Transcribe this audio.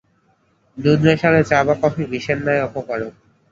দুধ মেশালে চা বা কাফি বিষের ন্যায় অপকারক।